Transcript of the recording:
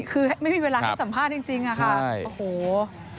คือไม่มีเวลาให้สัมภาษณ์จริงอะค่ะโอ้โห